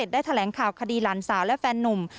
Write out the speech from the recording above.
ได้แถลงข่าวคดีหลานสาวและแฟนนุ่ม